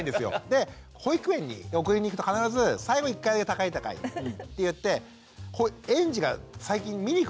で保育園に送りに行くと必ず最後一回「高い高い」って言って園児が最近見に来るんですよ。